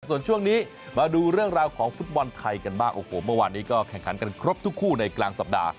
ส่วนช่วงนี้มาดูเรื่องราวของฟุตบอลไทยกันบ้างโอ้โหเมื่อวานนี้ก็แข่งขันกันครบทุกคู่ในกลางสัปดาห์